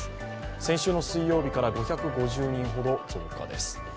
先週の水曜日から５５０人ほど増加です。